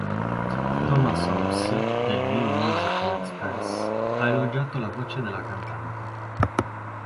Thomas Hobbs del "New Musical Express" ha elogiato la voce della cantante.